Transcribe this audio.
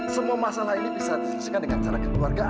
semua masalah ini bisa diselesaikan dengan cara kekeluargaan